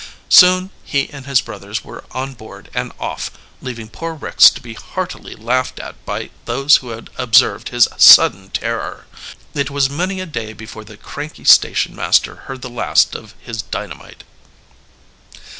Soon he and his brothers were on board and off, leaving poor Ricks to be heartily laughed at by those who had observed his sudden terror. It was many a day before the cranky station master heard the last of his dynamite.